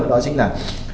đó chính là